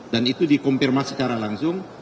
dan itu dikompirmasi secara langsung